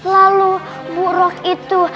lalu bukrok itu